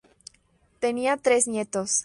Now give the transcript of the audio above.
Tenía tres nietos.